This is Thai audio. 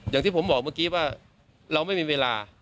อย่างที่ผมบอกเมื่อกี้ว่าเราไม่มีเวลา